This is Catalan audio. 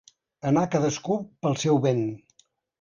Anar cadascú pel seu vent.